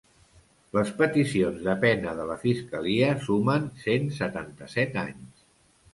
Les peticions de pena de la fiscalia sumen cent setanta-set anys.